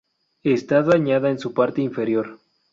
Está dañada en su parte inferior.